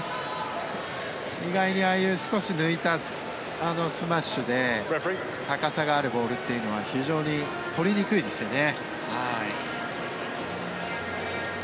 意外にああいう少し抜いたスマッシュで高さがあるボールというのは非常に取りにくいですよね。